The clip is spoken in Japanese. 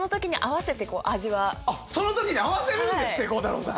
あっその時に合わせるんですって孝太郎さん。